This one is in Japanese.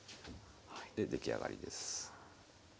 で出来上がりです。